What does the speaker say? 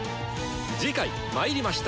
次回「魔入りました！